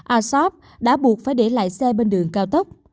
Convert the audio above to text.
asoft đã buộc phải để lại xe bên đường cao tốc